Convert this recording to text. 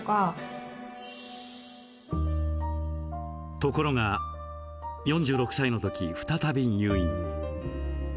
ところが４６歳の時、再び入院。